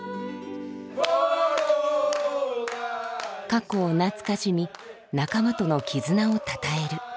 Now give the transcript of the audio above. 過去を懐かしみ仲間との絆をたたえる。